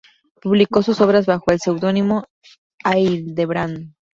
Publicó sus obras bajo el seudónimo "Hildebrand".